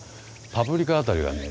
パプリカ辺りがね